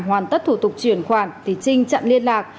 hoàn tất thủ tục chuyển khoản thì trinh chặn liên lạc